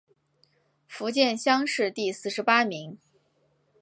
福建乡试第四十八名。